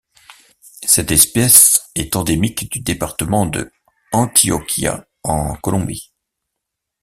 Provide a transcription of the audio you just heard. Cette espèce est endémique du département de Antioquia en Colombie.